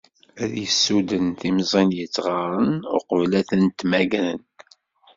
Ad yessuden timẓin yettɣaran uqbel ad tent-megren.